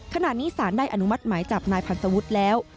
ขณะนี้สารได้อนุมัติหมายจับนายพันธวุฒิแล้ว